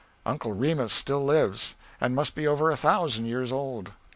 Uncle Remus still lives, and must be over a thousand years old.